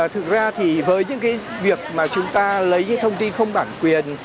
thực ra thì với những cái việc mà chúng ta lấy những thông tin không bản quyền